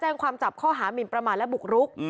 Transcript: แจ้งความจับข้อหามินประมาทและบุกรุก